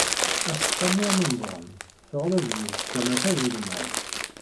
Aseqqamu amenḍan teɣleb deg-s tama tazelmaḍt.